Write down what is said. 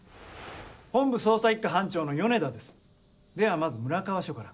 本部捜査一課班長の米田ですではまず村川署から。